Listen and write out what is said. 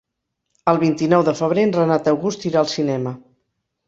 El vint-i-nou de febrer en Renat August irà al cinema.